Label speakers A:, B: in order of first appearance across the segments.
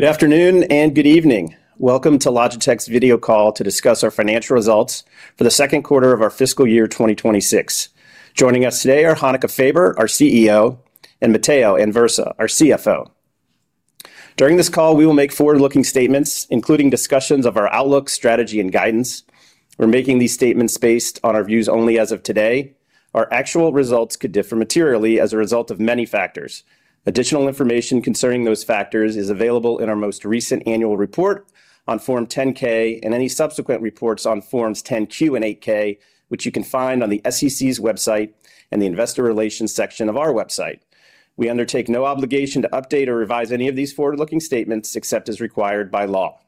A: Good afternoon and good evening. Welcome to Logitech's video call to discuss our financial results for the second quarter of our fiscal year 2026. Joining us today are Hanneke Faber, our CEO, and Matteo Anversa, our CFO. During this call, we will make forward-looking statements, including discussions of our outlook, strategy, and guidance. We're making these statements based on our views only as of today. Our actual results could differ materially as a result of many factors. Additional information concerning those factors is available in our most recent annual report on Form 10-K and any subsequent reports on Forms 10-Q and 8-K, which you can find on the SEC's website and the Investor Relations section of our website. We undertake no obligation to update or revise any of these forward-looking statements except as required by law.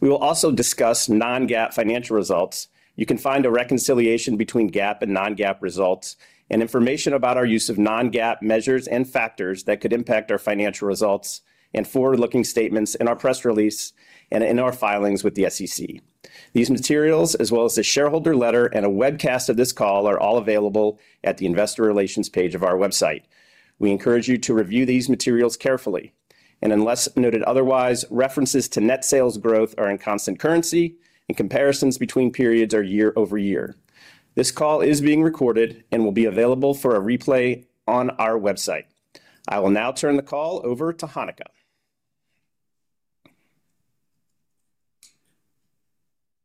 A: We will also discuss non-GAAP financial results. You can find a reconciliation between GAAP and non-GAAP results and information about our use of non-GAAP measures and factors that could impact our financial results and forward-looking statements in our press release and in our filings with the SEC. These materials, as well as the shareholder letter and a webcast of this call, are all available at the Investor Relations page of our website. We encourage you to review these materials carefully. Unless noted otherwise, references to net sales growth are in constant currency and comparisons between periods are year-over-year. This call is being recorded and will be available for a replay on our website. I will now turn the call over to Hanneke.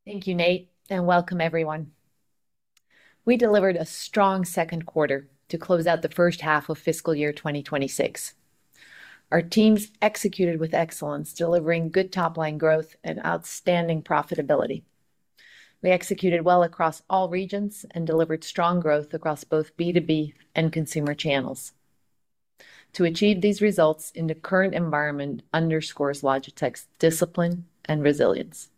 B: Thank you, Nate, and welcome everyone. We delivered a strong second quarter to close out the first half of fiscal year 2026. Our teams executed with excellence, delivering good top-line growth and outstanding profitability. We executed well across all regions and delivered strong growth across both B2B and consumer channels. To achieve these results in the current environment underscores Logitech's discipline and resilience.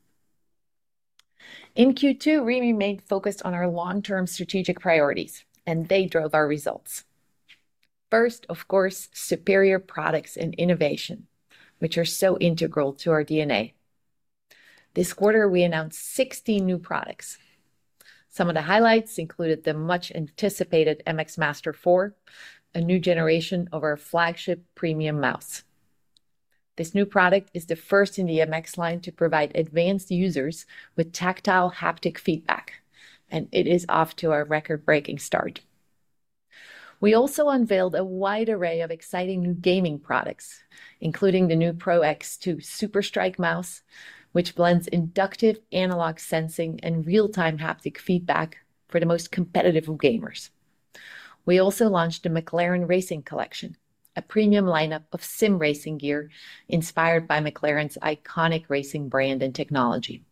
B: In Q2, we remained focused on our long-term strategic priorities, and they drove our results. First, of course, superior products and innovation, which are so integral to our DNA. This quarter, we announced 16 new products. Some of the highlights included the much-anticipated MX Master 4, a new generation of our flagship premium mouse. This new product is the first in the MX line to provide advanced users with tactile haptic feedback, and it is off to a record-breaking start. We also unveiled a wide array of exciting new gaming products, including the new PRO X2 SUPERSTRIKE mouse, which blends inductive analog sensing and real-time haptic feedback for the most competitive of gamers. We also launched the McLaren Racing Collection, a premium lineup of sim racing gear inspired by McLaren's iconic racing brand and technology.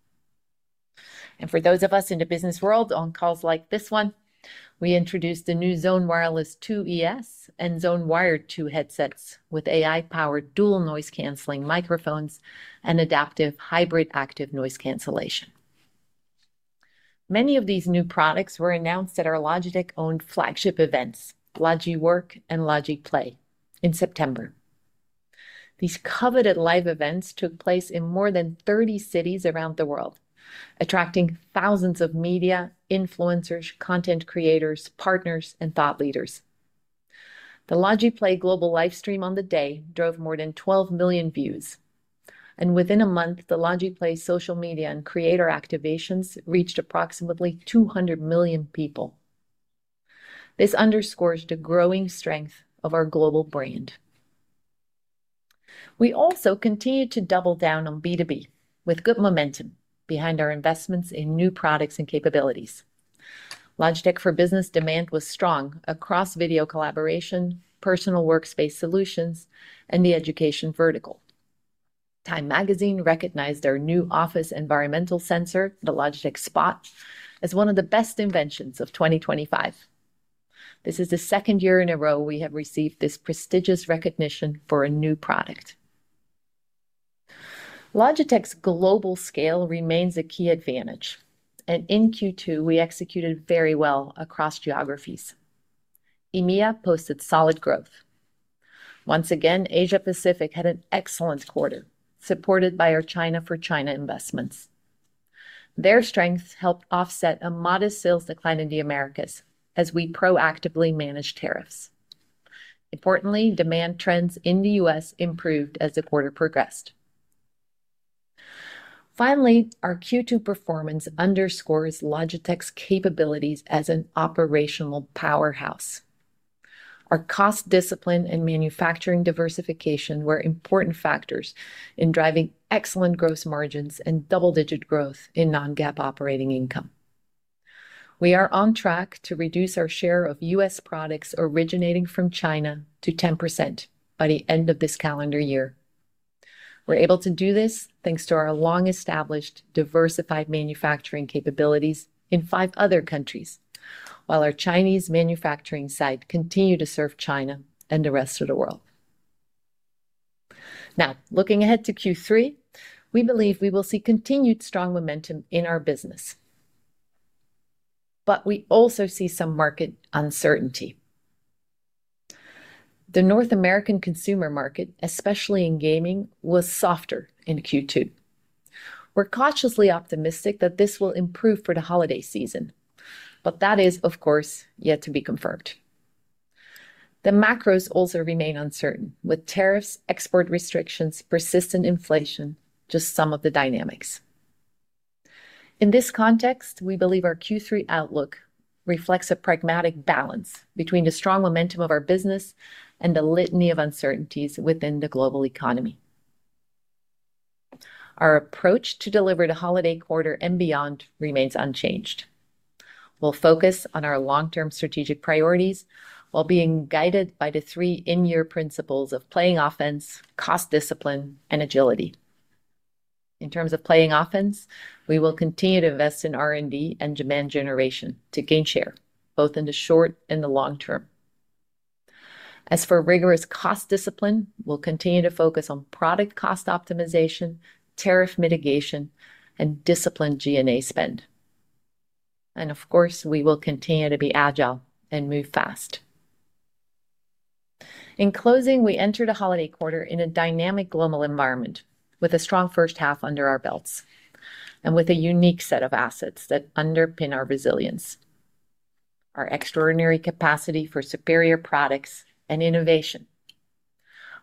B: For those of us in the business world on calls like this one, we introduced the new Zone Wireless 2 ES and Zone Wired 2 headsets with AI-powered dual noise-cancelling microphones and adaptive hybrid active noise cancellation. Many of these new products were announced at our Logitech-owned flagship events, Logi Work and Logi PLAY, in September. These coveted live events took place in more than 30 cities around the world, attracting thousands of media, influencers, content creators, partners, and thought leaders. The Logi PLAY global livestream on the day drove more than 12 million views, and within a month, the Logi PLAY social media and creator activations reached approximately 200 million people. This underscores the growing strength of our global brand. We also continued to double down on B2B with good momentum behind our investments in new products and capabilities. Logitech for business demand was strong across video collaboration, personal workspace solutions, and the education vertical. Time Magazine recognized our new office environmental sensor, the Logitech Spot, as one of the best inventions of 2025. This is the second year in a row we have received this prestigious recognition for a new product. Logitech's global scale remains a key advantage, and in Q2, we executed very well across geographies. EMEA posted solid growth. Once again, Asia-Pacific had an excellent quarter, supported by our China for China investments. Their strengths helped offset a modest sales decline in the Americas as we proactively managed tariffs. Importantly, demand trends in the U.S. improved as the quarter progressed. Finally, our Q2 performance underscores Logitech's capabilities as an operational powerhouse. Our cost discipline and manufacturing diversification were important factors in driving excellent gross margins and double-digit growth in non-GAAP operating income. We are on track to reduce our share of U.S. products originating from China to 10% by the end of this calendar year. We're able to do this thanks to our long-established diversified manufacturing capabilities in five other countries, while our Chinese manufacturing site continues to serve China and the rest of the world. Now, looking ahead to Q3, we believe we will see continued strong momentum in our business. We also see some market uncertainty. The North American consumer market, especially in gaming, was softer in Q2. We're cautiously optimistic that this will improve for the holiday season, but that is, of course, yet to be confirmed. The macros also remain uncertain, with tariffs, export restrictions, and persistent inflation just some of the dynamics. In this context, we believe our Q3 outlook reflects a pragmatic balance between the strong momentum of our business and the litany of uncertainties within the global economy. Our approach to deliver the holiday quarter and beyond remains unchanged. We'll focus on our long-term strategic priorities while being guided by the three in-year principles of playing offense, cost discipline, and agility. In terms of playing offense, we will continue to invest in R&D and demand generation to gain share, both in the short and the long term. As for rigorous cost discipline, we'll continue to focus on product cost optimization, tariff mitigation, and disciplined G&A spend. Of course, we will continue to be agile and move fast. In closing, we enter the holiday quarter in a dynamic global environment with a strong first half under our belts and with a unique set of assets that underpin our resilience: our extraordinary capacity for superior products and innovation,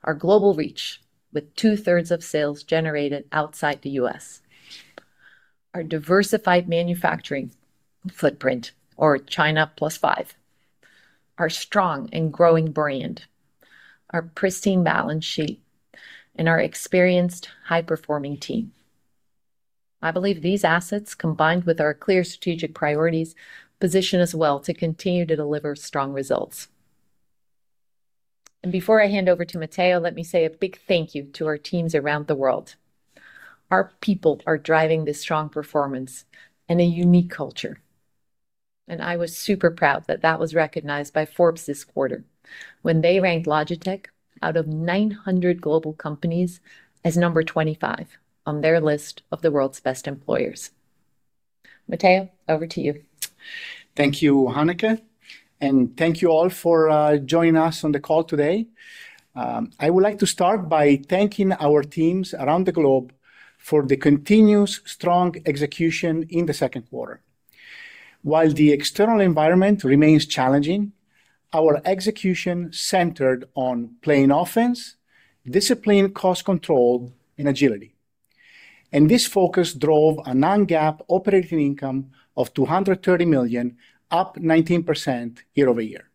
B: our global reach with two-thirds of sales generated outside the U.S., our diversified manufacturing footprint, or China plus five, our strong and growing brand, our pristine balance sheet, and our experienced, high-performing team. I believe these assets, combined with our clear strategic priorities, position us well to continue to deliver strong results. Before I hand over to Matteo, let me say a big thank you to our teams around the world. Our people are driving this strong performance and a unique culture. I was super proud that that was recognized by Forbes this quarter when they ranked Logitech out of 900 global companies as number 25 on their list of the world's best employers. Matteo, over to you.
C: Thank you, Hanneke, and thank you all for joining us on the call today. I would like to start by thanking our teams around the globe for the continuous strong execution in the second quarter. While the external environment remains challenging, our execution centered on playing offense, discipline, cost control, and agility. This focus drove a non-GAAP operating income of $230 million, up 19% year-over-year.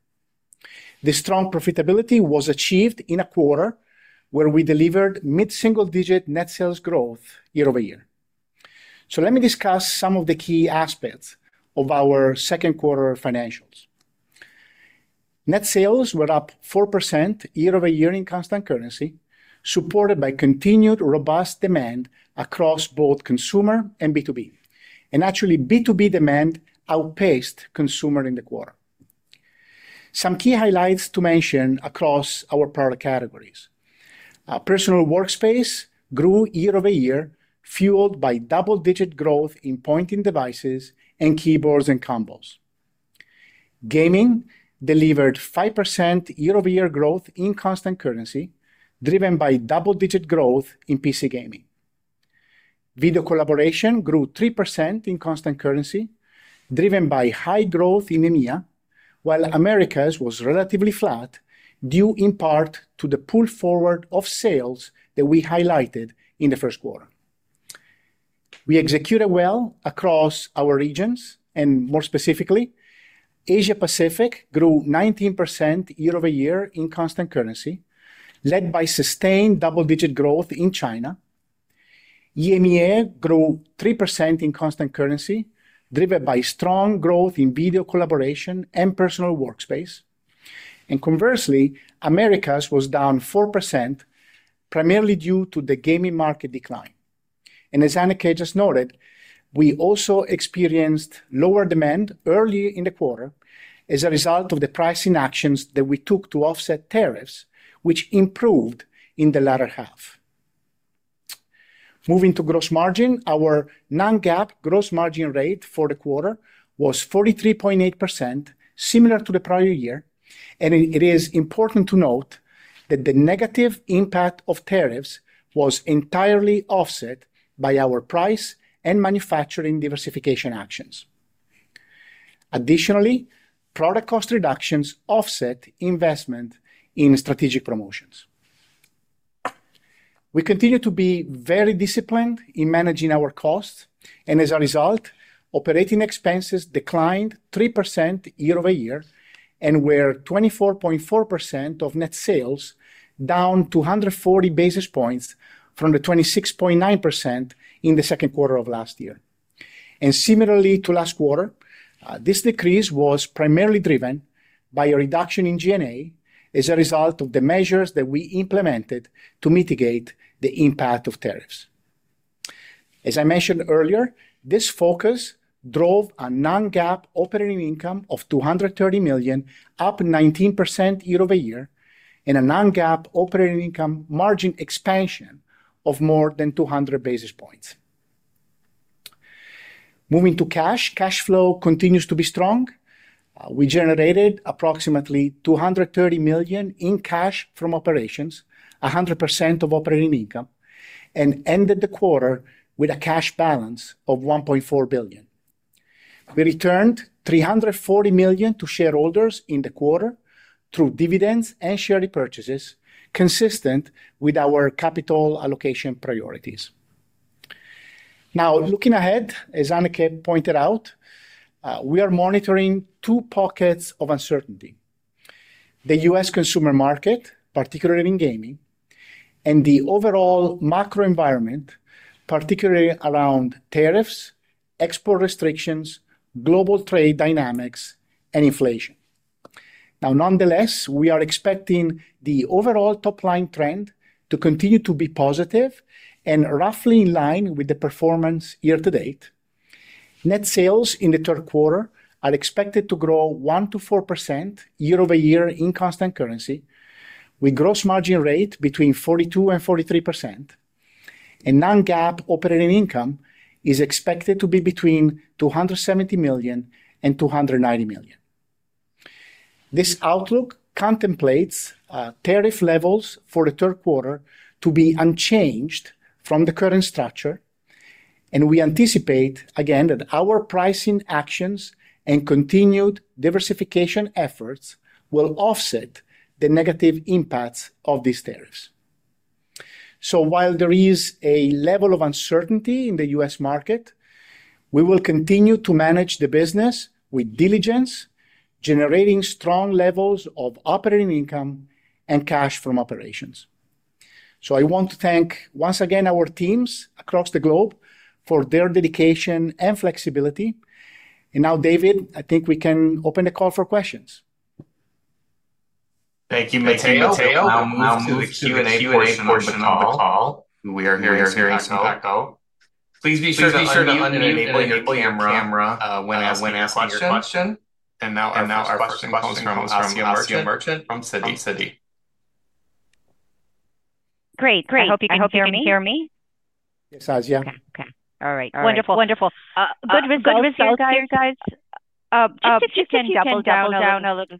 C: This strong profitability was achieved in a quarter where we delivered mid-single-digit net sales growth year-over-year. Let me discuss some of the key aspects of our second quarter financials. Net sales were up 4% year-over-year in constant currency, supported by continued robust demand across both consumer and B2B. Actually, B2B demand outpaced consumer in the quarter. Some key highlights to mention across our product categories: personal workspace grew year-over-year, fueled by double-digit growth in point-in-devices and keyboards and combos. Gaming delivered 5% year-over-year growth in constant currency, driven by double-digit growth in PC gaming. Video collaboration grew 3% in constant currency, driven by high growth in EMEA, while Americas was relatively flat, due in part to the pull forward of sales that we highlighted in the first quarter. We executed well across our regions, and more specifically, Asia-Pacific grew 19% year-over-year in constant currency, led by sustained double-digit growth in China. EMEA grew 3% in constant currency, driven by strong growth in video collaboration and personal workspace. Conversely, Americas was down 4%, primarily due to the gaming market decline. As Hanneke just noted, we also experienced lower demand early in the quarter as a result of the pricing actions that we took to offset tariffs, which improved in the latter half. Moving to gross margin, our non-GAAP gross margin rate for the quarter was 43.8%, similar to the prior year. It is important to note that the negative impact of tariffs was entirely offset by our price and manufacturing diversification actions. Additionally, product cost reductions offset investment in strategic promotions. We continue to be very disciplined in managing our costs, and as a result, operating expenses declined 3% year-over-year, and were 24.4% of net sales, down 240 basis points from the 26.9% in the second quarter of last year. Similarly to last quarter, this decrease was primarily driven by a reduction in G&A as a result of the measures that we implemented to mitigate the impact of tariffs. As I mentioned earlier, this focus drove a non-GAAP operating income of $230 million, up 19% year-over-year, and a non-GAAP operating income margin expansion of more than 200 basis points. Moving to cash, cash flow continues to be strong. We generated approximately $230 million in cash from operations, 100% of operating income, and ended the quarter with a cash balance of $1.4 billion. We returned $340 million to shareholders in the quarter through dividends and share repurchases, consistent with our capital allocation priorities. Now, looking ahead, as Hanneke pointed out, we are monitoring two pockets of uncertainty: the U.S. consumer market, particularly in gaming, and the overall macro environment, particularly around tariffs, export restrictions, global trade dynamics, and inflation. Nonetheless, we are expecting the overall top-line trend to continue to be positive and roughly in line with the performance year to date. Net sales in the third quarter are expected to grow 1%-4% year-over-year in constant currency, with a gross margin rate between 42% and 43%. Non-GAAP operating income is expected to be between $270 million and $290 million. This outlook contemplates tariff levels for the third quarter to be unchanged from the current structure, and we anticipate, again, that our pricing actions and continued diversification efforts will offset the negative impacts of these tariffs. While there is a level of uncertainty in the U.S. market, we will continue to manage the business with diligence, generating strong levels of operating income and cash from operations. I want to thank once again our teams across the globe for their dedication and flexibility. Now, David, I think we can open the call for questions.
D: Thank you, Matteo. I'll move to the Q&A portion of the call. We are hearing some background. Please be sure to unmute the camera when asking your question. Our first question comes from Asiya Merchant from Citigroup.
E: Great. Can you hear me?
C: Yes, Asiya.
E: Okay. All right. Wonderful. Good with you guys. You can double down a little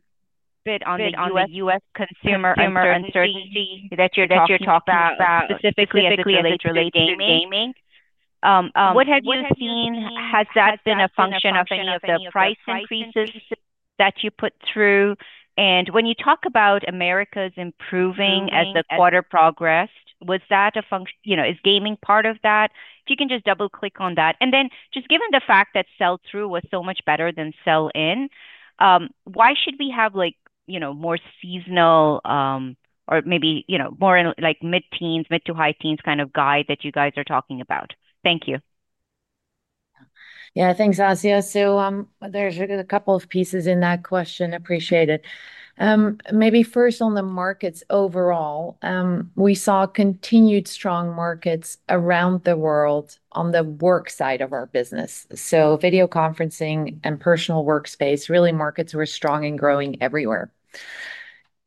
E: bit on the U.S. consumer uncertainty that you're talking about, specifically relating to gaming. What have you seen? Has that been a function of any of the price increases that you put through? When you talk about Americas improving as the quarter progressed, was that a function? Is gaming part of that? If you can just double-click on that. Given the fact that sell-through was so much better than sell-in, why should we have more seasonal or maybe more in mid-teens, mid-to-high teens kind of guide that you guys are talking about? Thank you.
B: Yeah, thanks, Asiya. There's a couple of pieces in that question. Appreciate it. Maybe first on the markets overall. We saw continued strong markets around the world on the work side of our business. Video conferencing and personal workspace, really, markets were strong and growing everywhere.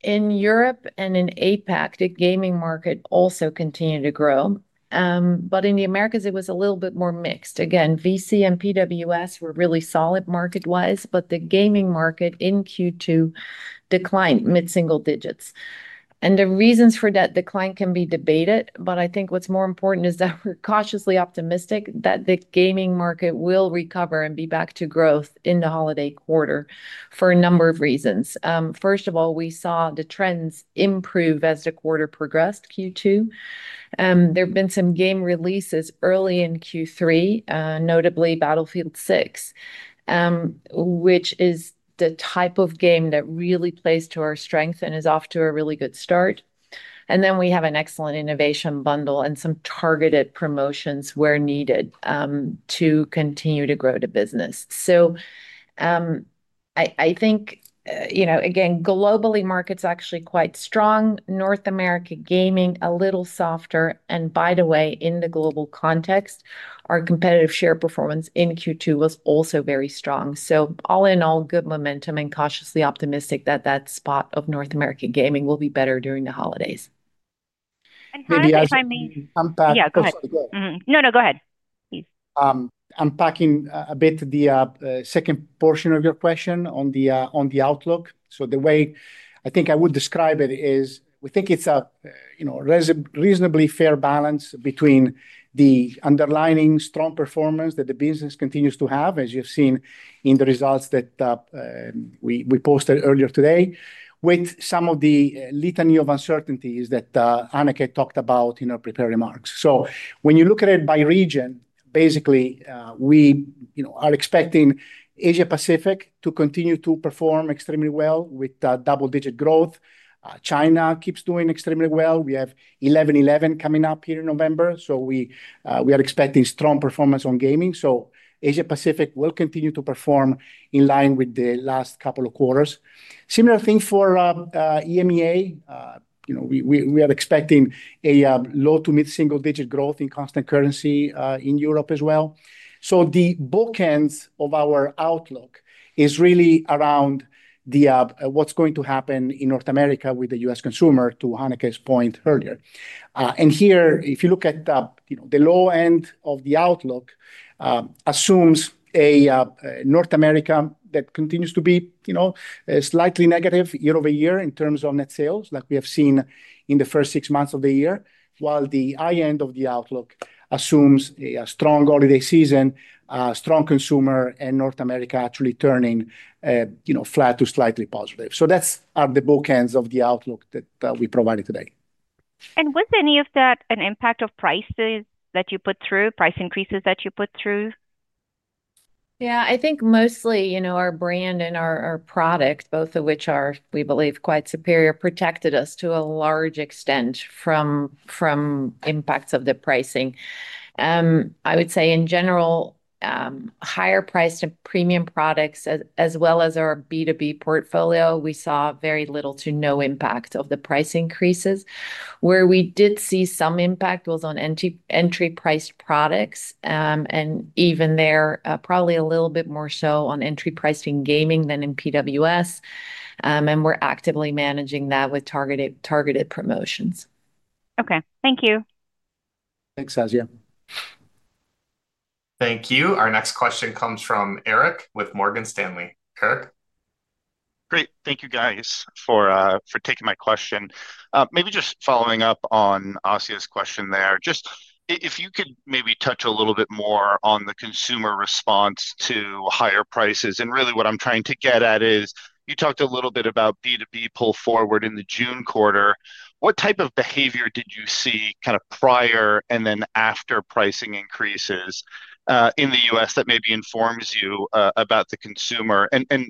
B: In Europe and in Asia-Pacific, the gaming market also continued to grow. In the Americas, it was a little bit more mixed. VC and PWS were really solid market-wise, but the gaming market in Q2 declined mid-single digits. The reasons for that decline can be debated, but I think what's more important is that we're cautiously optimistic that the gaming market will recover and be back to growth in the holiday quarter for a number of reasons. First of all, we saw the trends improve as the quarter progressed Q2. There have been some game releases early in Q3, notably Battlefield 6, which is the type of game that really plays to our strength and is off to a really good start. We have an excellent innovation bundle and some targeted promotions where needed to continue to grow the business. I think, you know, again, globally, markets are actually quite strong. North America gaming a little softer. By the way, in the global context, our competitive share performance in Q2 was also very strong. All in all, good momentum and cautiously optimistic that that spot of North American gaming will be better during the holidays.
E: How do you think—yeah, go ahead. No, go ahead, please.
C: Unpacking a bit the second portion of your question on the outlook. The way I think I would describe it is we think it's a reasonably fair balance between the underlying strong performance that the business continues to have, as you've seen in the results that we posted earlier today, with some of the litany of uncertainties that Hanneke talked about in her prepared remarks. When you look at it by region, basically, we are expecting Asia-Pacific to continue to perform extremely well with double-digit growth. China keeps doing extremely well. We have 11-11 coming up here in November. We are expecting strong performance on gaming. Asia-Pacific will continue to perform in line with the last couple of quarters. Similar thing for EMEA. We are expecting a low to mid-single-digit growth in constant currency in Europe as well. The bookends of our outlook is really around what's going to happen in North America with the U.S. consumer, to Hanneke's point earlier. Here, if you look at the low end of the outlook, it assumes a North America that continues to be slightly negative year-over-year in terms of net sales, like we have seen in the first six months of the year, while the high end of the outlook assumes a strong holiday season, strong consumer, and North America actually turning flat to slightly positive. That's the bookends of the outlook that we provided today.
E: Was any of that an impact of prices that you put through, price increases that you put through?
B: Yeah, I think mostly, you know, our brand and our product, both of which are, we believe, quite superior, protected us to a large extent from impacts of the pricing. I would say in general, higher priced and premium products, as well as our B2B portfolio, we saw very little to no impact of the price increases. Where we did see some impact was on entry-priced products, and even there, probably a little bit more so on entry-priced in gaming than in PWS. We're actively managing that with targeted promotions.
E: Okay, thank you.
C: Thanks, Asiya.
D: Thank you. Our next question comes from Erik with Morgan Stanley. Erik.
F: Great. Thank you, guys, for taking my question. Maybe just following up on Asiya's question there. If you could maybe touch a little bit more on the consumer response to higher prices. What I'm trying to get at is you talked a little bit about B2B pull forward in the June quarter. What type of behavior did you see prior and then after pricing increases in the U.S. that maybe informs you about the consumer? What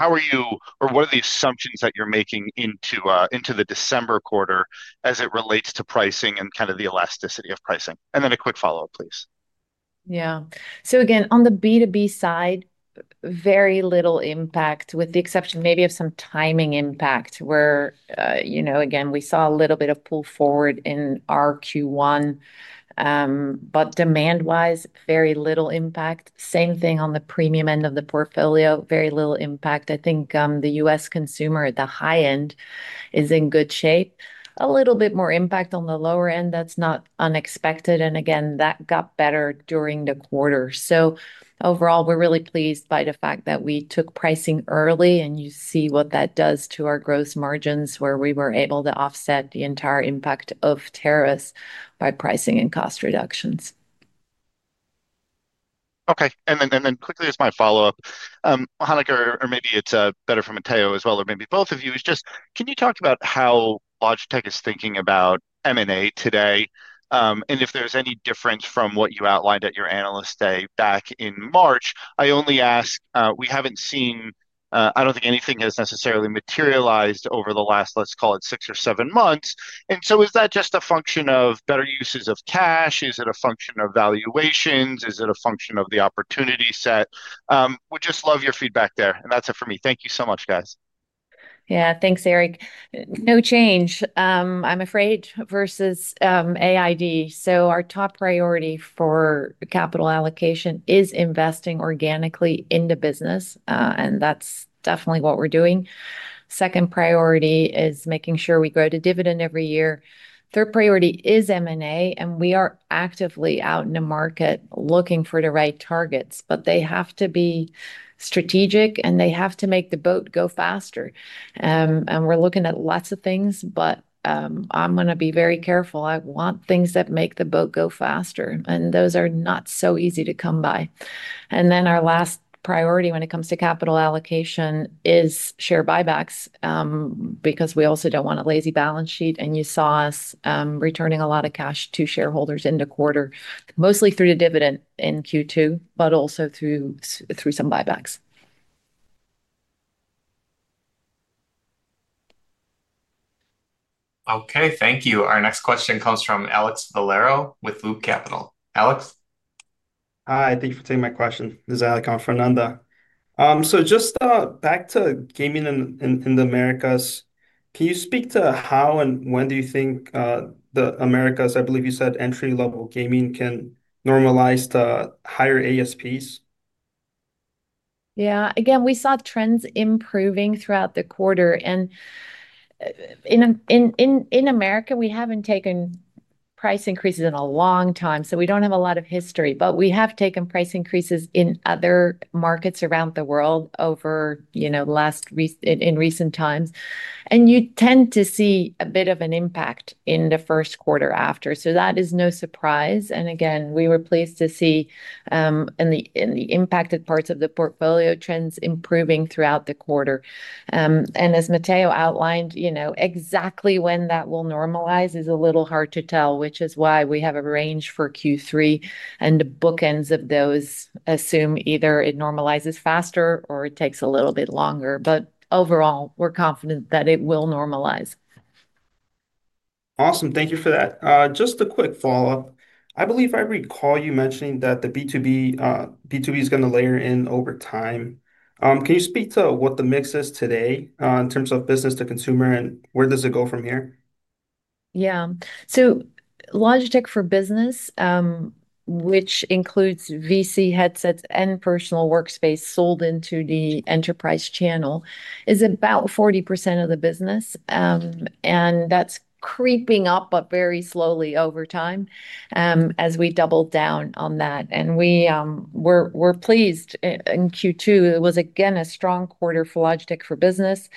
F: are the assumptions that you're making into the December quarter as it relates to pricing and the elasticity of pricing? A quick follow-up, please.
B: Yeah. On the B2B side, very little impact, with the exception maybe of some timing impact, where we saw a little bit of pull forward in our Q1. Demand-wise, very little impact. Same thing on the premium end of the portfolio, very little impact. I think the U.S. consumer at the high end is in good shape. A little bit more impact on the lower end. That's not unexpected. That got better during the quarter. Overall, we're really pleased by the fact that we took pricing early, and you see what that does to our gross margins where we were able to offset the entire impact of tariffs by pricing and cost reductions.
F: Okay. And then quickly, as my follow-up, Hanneke, or maybe it's better for Matteo as well, or maybe both of you, can you talk about how Logitech is thinking about M&A today? If there's any difference from what you outlined at your analyst day back in March, I only ask because we haven't seen, I don't think anything has necessarily materialized over the last, let's call it, six or seven months. Is that just a function of better uses of cash? Is it a function of valuations? Is it a function of the opportunity set? We'd just love your feedback there. That's it for me. Thank you so much, guys.
B: Yeah, thanks, Erik. No change, I'm afraid, versus AID. Our top priority for capital allocation is investing organically into business, and that's definitely what we're doing. Second priority is making sure we grow the dividend every year. Third priority is M&A, and we are actively out in the market looking for the right targets, but they have to be strategic, and they have to make the boat go faster. We're looking at lots of things, but I'm going to be very careful. I want things that make the boat go faster, and those are not so easy to come by. Our last priority when it comes to capital allocation is share buybacks because we also don't want a lazy balance sheet. You saw us returning a lot of cash to shareholders in the quarter, mostly through the dividend in Q2, but also through some buybacks.
D: Okay, thank you. Our next question comes from Alek Valero with Loop Capital. Alek.
G: Hi, thank you for taking my question. This is Alek on for Ananda. Just back to gaming in the Americas, can you speak to how and when you think the Americas, I believe you said entry-level gaming, can normalize the higher ASPs?
B: Yeah, again, we saw trends improving throughout the quarter. In Americas, we haven't taken price increases in a long time, so we don't have a lot of history, but we have taken price increases in other markets around the world in recent times. You tend to see a bit of an impact in the first quarter after. That is no surprise. We were pleased to see in the impacted parts of the portfolio trends improving throughout the quarter. As Matteo outlined, exactly when that will normalize is a little hard to tell, which is why we have a range for Q3, and the bookends of those assume either it normalizes faster or it takes a little bit longer. Overall, we're confident that it will normalize.
G: Awesome, thank you for that. Just a quick follow-up. I believe I recall you mentioning that the B2B is going to layer in over time. Can you speak to what the mix is today in terms of business to consumer and where does it go from here?
B: Yeah, so Logitech for Business, which includes VC headsets and personal workspace sold into the enterprise channel, is about 40% of the business. That's creeping up, but very slowly over time as we double down on that. We're pleased in Q2. It was again a strong quarter for Logitech for Business.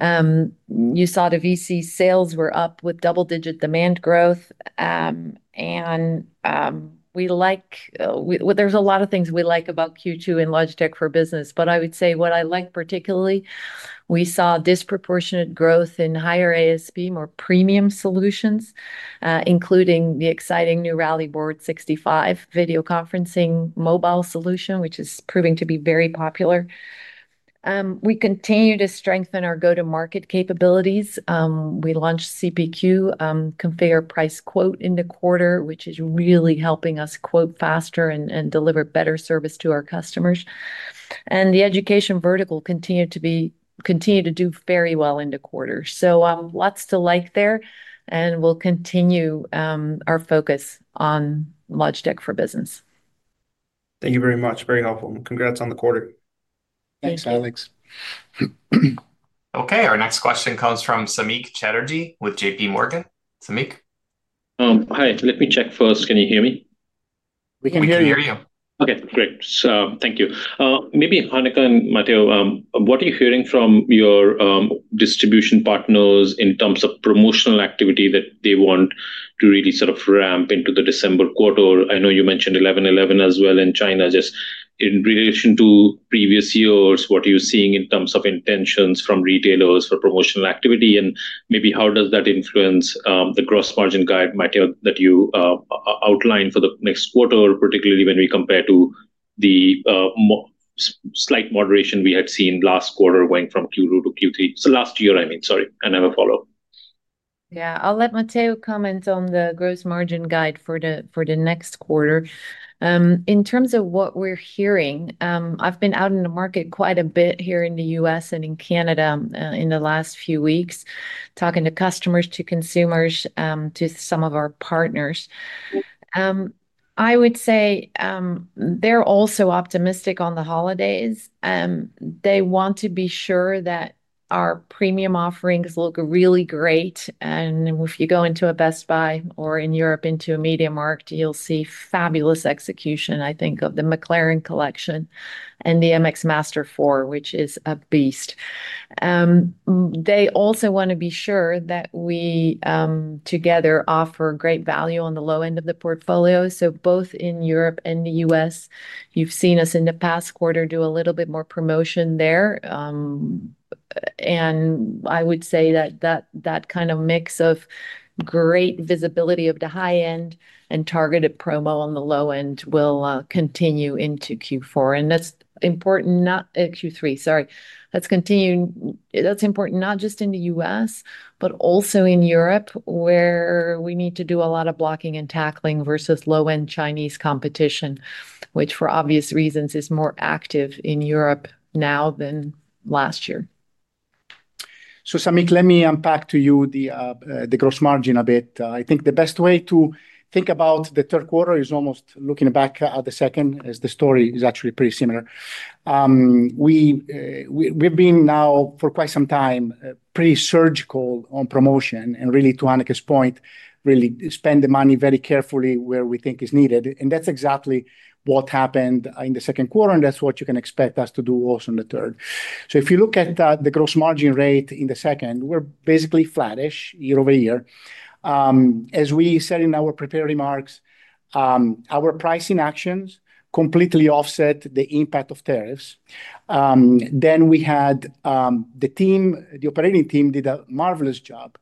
B: You saw the VC sales were up with double-digit demand growth. There's a lot of things we like about Q2 in Logitech for Business, but I would say what I like particularly, we saw disproportionate growth in higher ASP, more premium solutions, including the exciting new Rally Board 65 video conferencing mobile solution, which is proving to be very popular. We continue to strengthen our go-to-market capabilities. We launched CPQ, configure price quote, in the quarter, which is really helping us quote faster and deliver better service to our customers. The education vertical continued to do very well in the quarter. Lots to like there, and we'll continue our focus on Logitech for Business.
G: Thank you very much. Very helpful. Congrats on the quarter.
C: Thanks, Alek.
D: Okay, our next question comes from Samik Chatterjee with JPMorgan. Samik.
H: Hi, let me check first. Can you hear me?
C: We can hear you.
H: Okay, great. Thank you. Maybe Hanneke and Matteo, what are you hearing from your distribution partners in terms of promotional activity that they want to really sort of ramp into the December quarter? I know you mentioned 11-11 as well in China. Just in relation to previous years, what are you seeing in terms of intentions from retailers for promotional activity? Maybe how does that influence the gross margin guide, Matteo, that you outlined for the next quarter, particularly when we compare to the slight moderation we had seen last quarter going from Q2 to Q3? Last year, I have a follow-up.
B: Yeah, I'll let Matteo comment on the gross margin guide for the next quarter. In terms of what we're hearing, I've been out in the market quite a bit here in the U.S. and in Canada in the last few weeks, talking to customers, to consumers, to some of our partners. I would say they're also optimistic on the holidays. They want to be sure that our premium offerings look really great. If you go into a Best Buy or in Europe into a MediaMarkt, you'll see fabulous execution, I think, of the McLaren Collection and the MX Master 4, which is a beast. They also want to be sure that we together offer great value on the low end of the portfolio. Both in Europe and the U.S., you've seen us in the past quarter do a little bit more promotion there. I would say that that kind of mix of great visibility of the high end and targeted promo on the low end will continue into Q4. That's important, not Q3, sorry. Let's continue. That's important not just in the U.S., but also in Europe, where we need to do a lot of blocking and tackling versus low-end Chinese competition, which for obvious reasons is more active in Europe now than last year.
C: Samik, let me unpack to you the gross margin a bit. I think the best way to think about the third quarter is almost looking back at the second, as the story is actually pretty similar. We've been now for quite some time pretty surgical on promotion and really, to Hanneke's point, really spend the money very carefully where we think it's needed. That's exactly what happened in the second quarter, and that's what you can expect us to do also in the third. If you look at the gross margin rate in the second, we're basically flattish year-over-year. As we said in our prepared remarks, our pricing actions completely offset the impact of tariffs. We had the team, the operating team did a marvelous job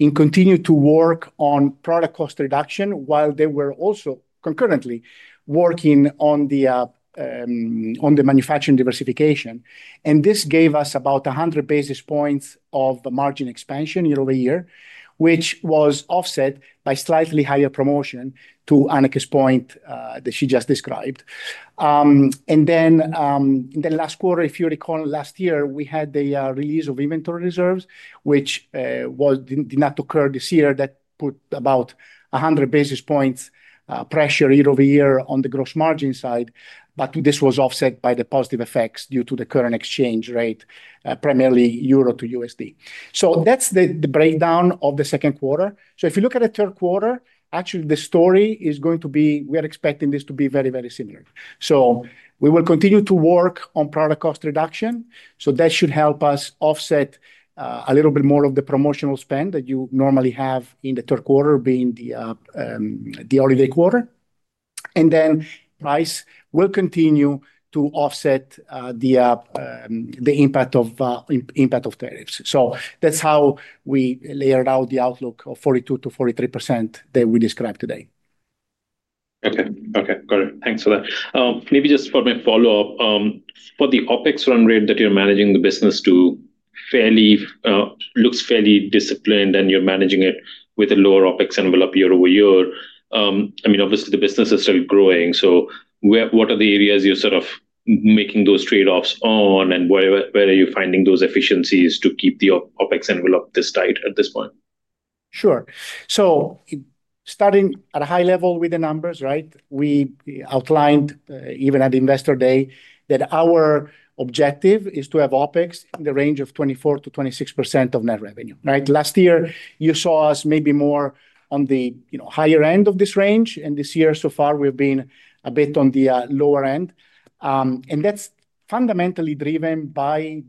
C: in continuing to work on product cost reduction while they were also concurrently working on the manufacturing diversification. This gave us about 100 basis points of margin expansion year-over-year, which was offset by slightly higher promotion to Hanneke's point that she just described. In the last quarter, if you recall, last year, we had the release of inventory reserves, which did not occur this year. That put about 100 basis points pressure year-over-year on the gross margin side. This was offset by the positive effects due to the current exchange rate, primarily euro to USD. That's the breakdown of the second quarter. If you look at the third quarter, actually the story is going to be, we are expecting this to be very, very similar. We will continue to work on product cost reduction. That should help us offset a little bit more of the promotional spend that you normally have in the third quarter, being the holiday quarter. Price will continue to offset the impact of tariffs. That's how we layered out the outlook of 42%-43% that we described today.
H: Okay, got it. Thanks for that. Maybe just for my follow-up, for the OpEx run rate that you're managing, the business looks fairly disciplined and you're managing it with a lower OpEx envelope year-over-year. I mean, obviously, the business is still growing. What are the areas you're sort of making those trade-offs on and where are you finding those efficiencies to keep the OpEx envelope this tight at this point?
C: Sure. Starting at a high level with the numbers, right, we outlined even at Investor Day that our objective is to have OpEx in the range of 24%-26% of net revenue. Last year, you saw us maybe more on the higher end of this range, and this year so far, we've been a bit on the lower end. That's fundamentally driven by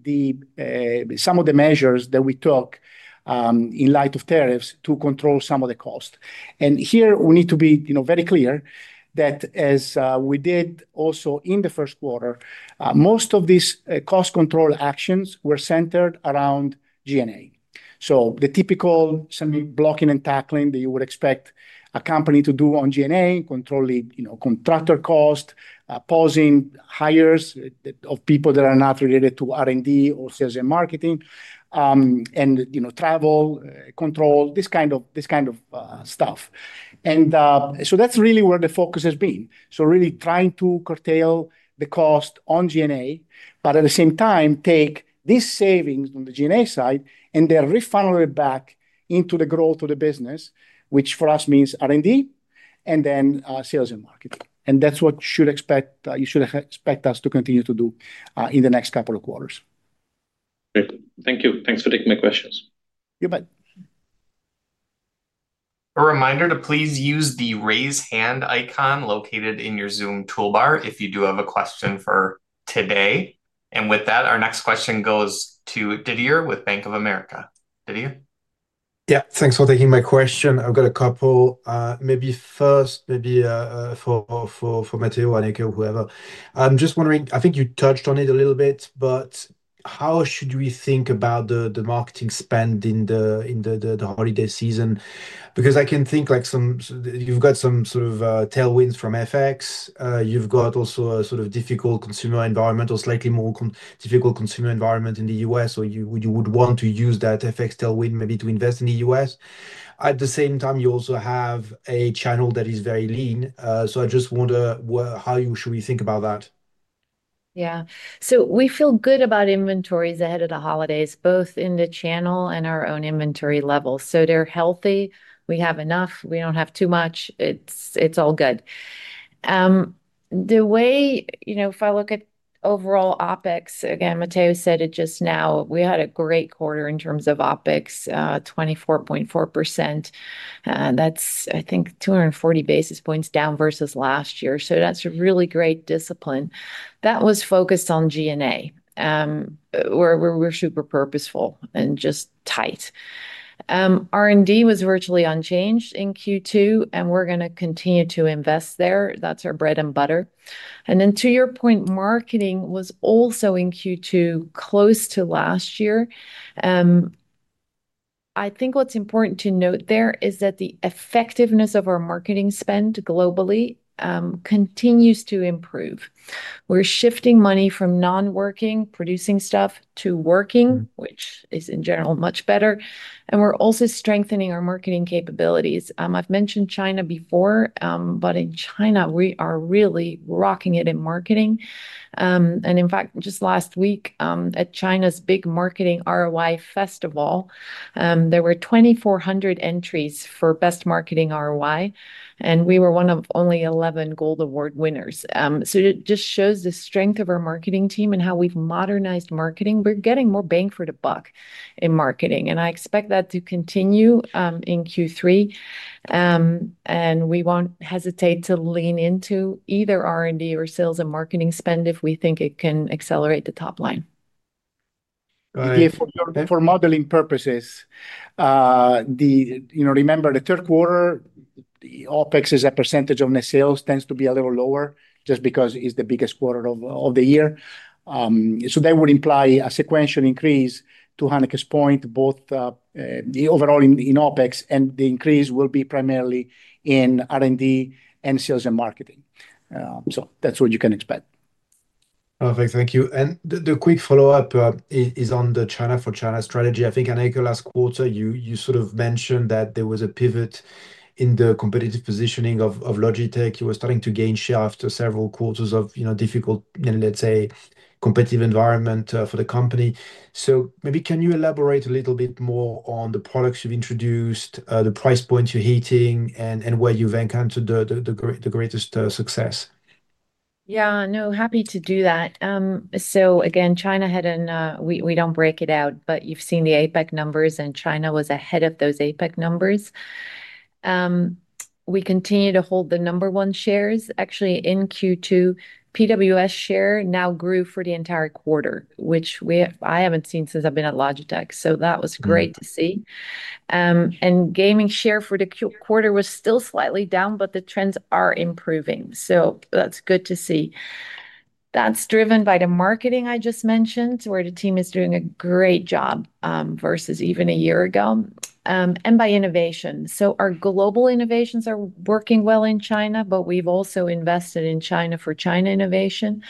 C: some of the measures that we took in light of tariffs to control some of the cost. Here we need to be very clear that as we did also in the first quarter, most of these cost control actions were centered around G&A. The typical blocking and tackling that you would expect a company to do on G&A, controlling contractor cost, pausing hires of people that are not related to R&D or sales and marketing, and travel control, this kind of stuff. That's really where the focus has been, really trying to curtail the cost on G&A, but at the same time, take these savings on the G&A side and then refunnel it back into the growth of the business, which for us means R&D and then sales and marketing. That's what you should expect us to continue to do in the next couple of quarters.
H: Thank you. Thanks for taking my questions.
C: You bet.
D: A reminder to please use the raise hand icon located in your Zoom toolbar if you do have a question for today. With that, our next question goes to Didier with Bank of America. Didier?
I: Yeah, thanks for taking my question. I've got a couple, maybe first, maybe for Matteo, Hanneke, whoever. I'm just wondering, I think you touched on it a little bit, but how should we think about the marketing spend in the holiday season? Because I can think like some, you've got some sort of tailwinds from FX. You've got also a sort of difficult consumer environment or slightly more difficult consumer environment in the U.S., or you would want to use that FX tailwind maybe to invest in the U.S. At the same time, you also have a channel that is very lean. I just wonder, how should we think about that?
B: Yeah, we feel good about inventories ahead of the holidays, both in the channel and our own inventory level. They're healthy. We have enough. We don't have too much. It's all good. The way, you know, if I look at overall OpEx, again, Matteo said it just now, we had a great quarter in terms of OpEx, 24.4%. That's, I think, 240 basis points down versus last year. That's a really great discipline. That was focused on G&A, where we're super purposeful and just tight. R&D was virtually unchanged in Q2, and we're going to continue to invest there. That's our bread and butter. To your point, marketing was also in Q2 close to last year. I think what's important to note there is that the effectiveness of our marketing spend globally continues to improve. We're shifting money from non-working, producing stuff to working, which is in general much better. We're also strengthening our marketing capabilities. I've mentioned China before, but in China, we are really rocking it in marketing. In fact, just last week at China's big marketing ROI festival, there were 2,400 entries for best marketing ROI, and we were one of only 11 gold award winners. It just shows the strength of our marketing team and how we've modernized marketing. We're getting more bang for the buck in marketing, and I expect that to continue in Q3. We won't hesitate to lean into either R&D or sales and marketing spend if we think it can accelerate the top line.
C: For modeling purposes, remember the third quarter, the OpEx as a percentage of net sales tends to be a little lower just because it's the biggest quarter of the year. That would imply a sequential increase to Hanneke's point, both overall in OpEx, and the increase will be primarily in R&D and sales and marketing. That's what you can expect.
I: Perfect. Thank you. The quick follow-up is on the China for China strategy. I think, Hanneke, last quarter, you sort of mentioned that there was a pivot in the competitive positioning of Logitech. You were starting to gain share after several quarters of difficult, let's say, competitive environment for the company. Maybe can you elaborate a little bit more on the products you've introduced, the price points you're hitting, and where you've encountered the greatest success?
B: Yeah, no, happy to do that. Again, China had an, we don't break it out, but you've seen the APAC numbers, and China was ahead of those APAC numbers. We continue to hold the number one shares, actually, in Q2. PWS share now grew for the entire quarter, which I haven't seen since I've been at Logitech. That was great to see. Gaming share for the quarter was still slightly down, but the trends are improving. That's good to see. That's driven by the marketing I just mentioned, where the team is doing a great job versus even a year ago, and by innovation. Our global innovations are working well in China, but we've also invested in China for China innovation.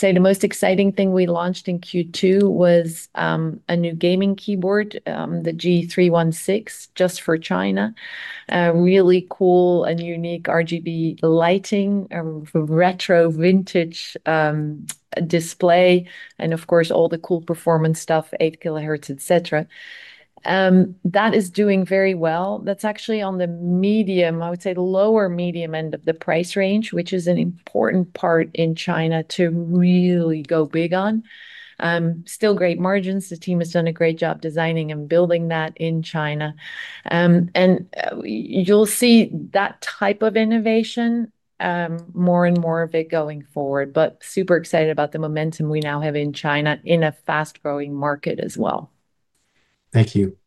B: The most exciting thing we launched in Q2 was a new gaming keyboard, the G316, just for China. A really cool and unique RGB lighting, a retro vintage display, and of course, all the cool performance stuff, 8 kHz, etc. That is doing very well. That's actually on the medium, I would say the lower medium end of the price range, which is an important part in China to really go big on. Still great margins. The team has done a great job designing and building that in China. You'll see that type of innovation, more and more of it going forward. Super excited about the momentum we now have in China in a fast-growing market as well.
I: Thank you.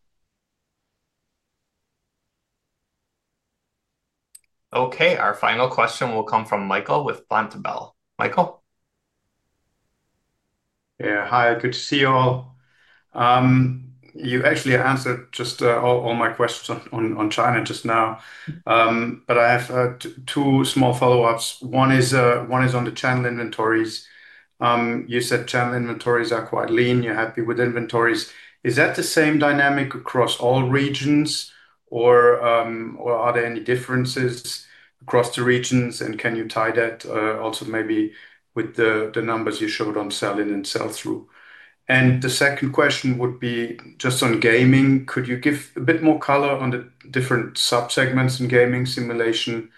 D: Okay, our final question will come from Michael with [Planta Bell]. Michael.
J: Yeah, hi, good to see you all. You actually answered just all my questions on China just now. I have two small follow-ups. One is on the channel inventories. You said channel inventories are quite lean. You're happy with inventories. Is that the same dynamic across all regions, or are there any differences across the regions? Can you tie that also maybe with the numbers you showed on sell-in and sell-through? The second question would be just on gaming. Could you give a bit more color on the different subsegments in gaming simulation,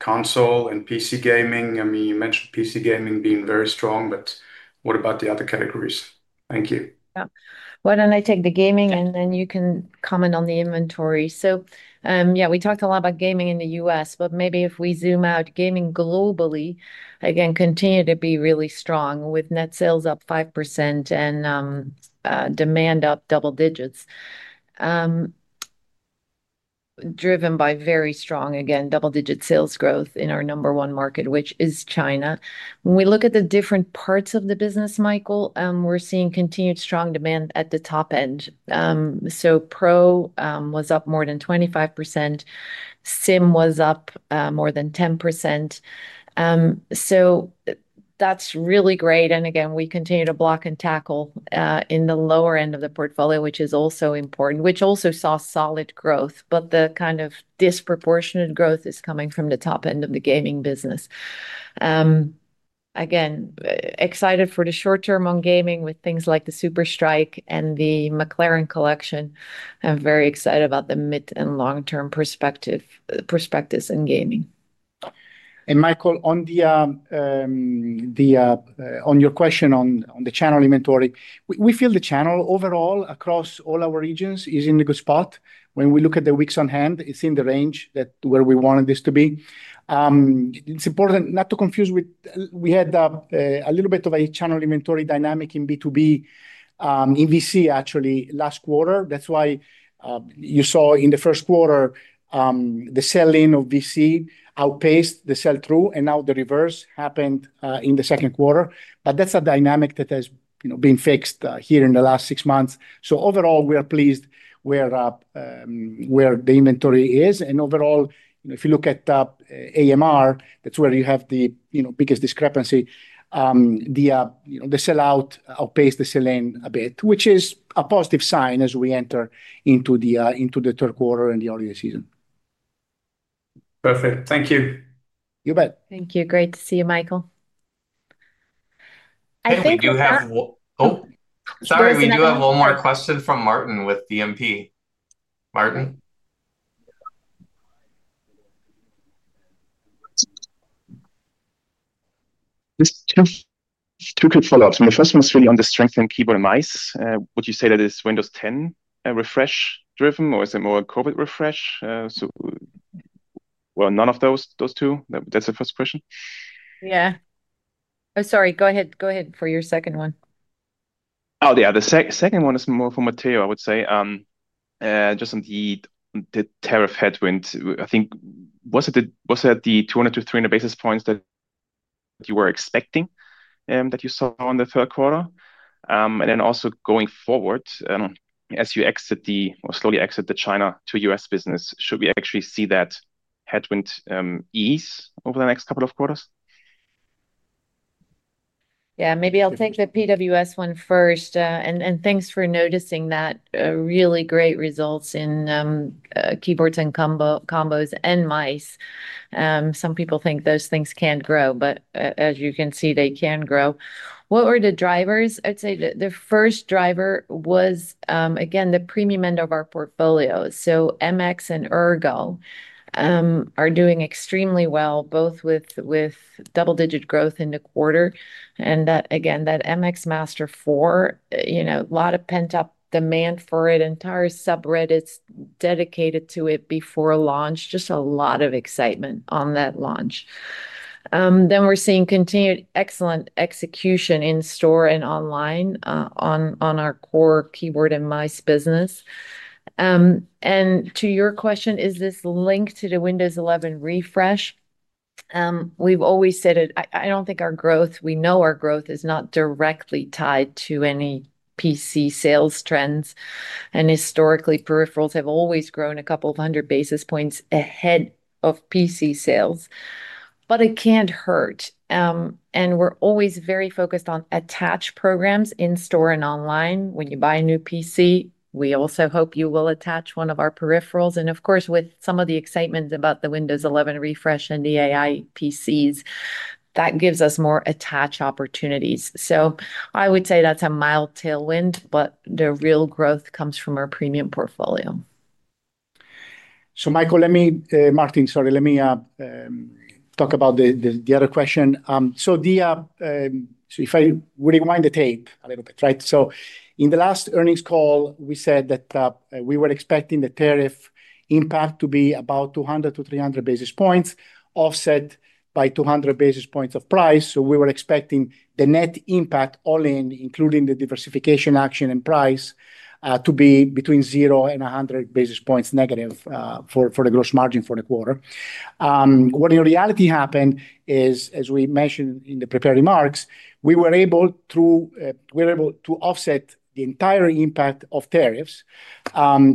J: console, and PC gaming? I mean, you mentioned PC gaming being very strong, but what about the other categories? Thank you.
B: Yeah, why don't I take the gaming and then you can comment on the inventory. We talked a lot about gaming in the U.S., but maybe if we zoom out, gaming globally, again, continues to be really strong with net sales up 5% and demand up double digits, driven by very strong, again, double-digit sales growth in our number one market, which is China. When we look at the different parts of the business, Michael, we're seeing continued strong demand at the top end. Pro was up more than 25%. Sim was up more than 10%. That's really great. We continue to block and tackle in the lower end of the portfolio, which is also important, which also saw solid growth, but the kind of disproportionate growth is coming from the top end of the gaming business. Again, excited for the short term on gaming with things SUPERSTRIKE and the McLaren Collection. I'm very excited about the mid and long-term perspectives in gaming.
C: Michael, on your question on the channel inventory, we feel the channel overall across all our regions is in a good spot. When we look at the weeks on hand, it's in the range where we wanted this to be. It's important not to confuse with, we had a little bit of a channel inventory dynamic in B2B, in VC actually, last quarter. That is why you saw in the first quarter the sell-in of VC outpaced the sell-through, and now the reverse happened in the second quarter. That is a dynamic that has been fixed here in the last six months. Overall, we are pleased where the inventory is. If you look at the Americas, that's where you have the biggest discrepancy. The sell-out outpaced the sell-in a bit, which is a positive sign as we enter into the third quarter and the holiday season.
J: Perfect. Thank you.
C: You bet.
B: Thank you. Great to see you, Michael.
D: We do have one more question from Martin with BNP. Martin.
K: Just two quick follow-ups. My first one is really on the strengthened keyboard and mice. Would you say that it's Windows 10 refresh driven, or is it more a COVID refresh? None of those two. That's the first question.
B: Yeah. Sorry. Go ahead for your second one.
K: Oh, yeah. The second one is more for Matteo, I would say. Just on the tariff headwind, was it the 200-300 basis points that you were expecting that you saw in the third quarter? Also, going forward, as you exit or slowly exit the China to U.S. business, should we actually see that headwind ease over the next couple of quarters?
B: Yeah, maybe I'll take the PWS one first. Thanks for noticing that really great results in keyboards and combos and mice. Some people think those things can't grow, but as you can see, they can grow. What were the drivers? I'd say the first driver was, again, the premium end of our portfolio. MX and Ergo are doing extremely well, both with double-digit growth in the quarter. That MX Master 4, you know, a lot of pent-up demand for it. Entire subreddit's dedicated to it before launch. Just a lot of excitement on that launch. We're seeing continued excellent execution in store and online on our core keyboard and mice business. To your question, is this linked to the Windows 11 refresh? We've always said it. I don't think our growth, we know our growth is not directly tied to any PC sales trends. Historically, peripherals have always grown a couple of hundred basis points ahead of PC sales. It can't hurt. We're always very focused on attach programs in store and online. When you buy a new PC, we also hope you will attach one of our peripherals. Of course, with some of the excitement about the Windows 11 refresh and the AI PCs, that gives us more attach opportunities. I would say that's a mild tailwind, but the real growth comes from our premium portfolio.
C: Martin, let me talk about the other question. If I rewind the tape a little bit, right? In the last earnings call, we said that we were expecting the tariff impact to be about 200-300 basis points, offset by 200 basis points of price. We were expecting the net impact all in, including the diversification action and price, to be between 0 and 100 basis points negative for the gross margin for the quarter. What in reality happened is, as we mentioned in the prepared remarks, we were able to offset the entire impact of tariffs.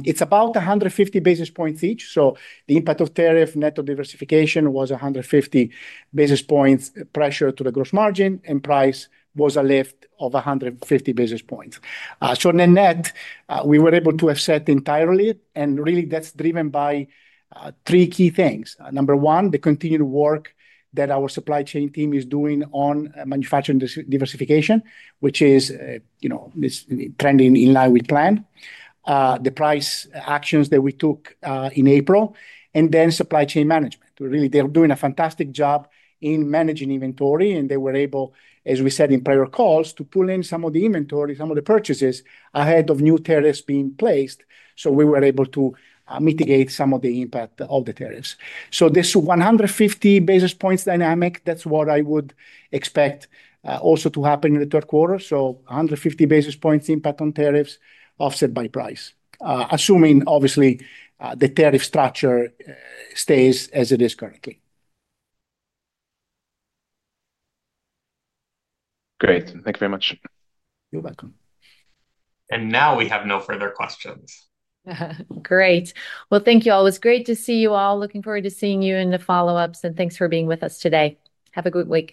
C: It's about 150 basis points each. The impact of tariff net of diversification was 150 basis points pressure to the gross margin, and price was a lift of 150 basis points. Net-net, we were able to offset entirely, and really that's driven by three key things. Number one, the continued work that our supply chain team is doing on manufacturing diversification, which is trending in line with plan, the price actions that we took in April, and then supply chain management. Really, they're doing a fantastic job in managing inventory, and they were able, as we said in prior calls, to pull in some of the inventory, some of the purchases ahead of new tariffs being placed. We were able to mitigate some of the impact of the tariffs. This 150 basis points dynamic, that's what I would expect also to happen in the third quarter. 150 basis points impact on tariffs offset by price, assuming obviously the tariff structure stays as it is currently.
K: Great, thank you very much.
C: You're welcome.
D: We have no further questions.
B: Great. Thank you all. It was great to see you all. Looking forward to seeing you in the follow-ups, and thanks for being with us today. Have a good week.